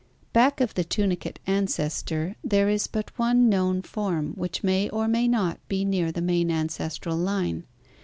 Back of the tunicate ancestor there is but one known form which may or may not be near the main ancestral line.